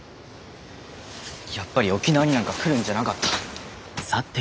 やっぱり沖縄になんか来るんじゃなかった。